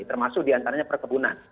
termasuk diantaranya perkebunan